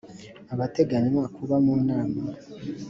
abateganywa kuba mu inama